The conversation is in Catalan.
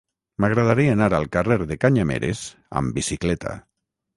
M'agradaria anar al carrer de Canyameres amb bicicleta.